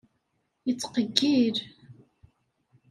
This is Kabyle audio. Yettqeyyil.